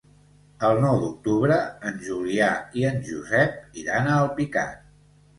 El nou d'octubre en Julià i en Josep iran a Alpicat.